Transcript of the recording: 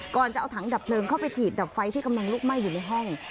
ก่อนจะเอาถังดับเพลิงเข้าไปฉีดดับไฟที่กำลังลุกไหม้อยู่ในห้อง